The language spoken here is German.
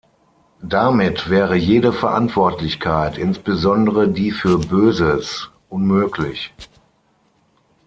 Damit wäre jede Verantwortlichkeit, insbesondere die für Böses, unmöglich.